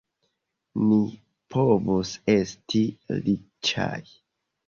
Ni povus esti riĉaj!